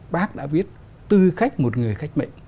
bác đã viết tư cách một người cách mệnh